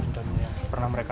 dendamnya pernah mereka